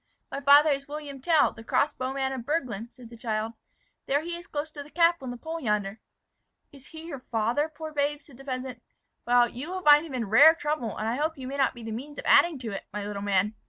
"My father is William Tell, the crossbow man of Burglen," said the child. "There he is close to the cap on the pole yonder." "Is he your father, poor babe?" said the peasant. "Well, you will find him in rare trouble, and I hope you may not be the means of adding to it, my little man."